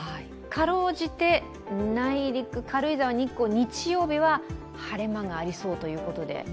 かろうじて内陸、軽井沢、日光、日曜日は晴れ間がありそうということで。